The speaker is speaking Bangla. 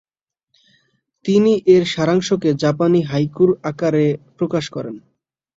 তিনি এর সারাংশকে জাপানি হাইকুর আকারে প্রকাশ করেন।